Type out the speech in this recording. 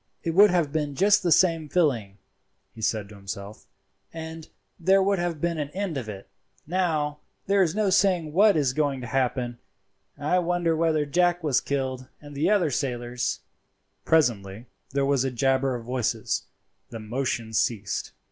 "It would have been just the same feeling," he said to himself, "and there would have been an end of it. Now, there is no saying what is going to happen. I wonder whether Jack was killed, and the sailors." Presently there was a jabber of voices; the motion ceased.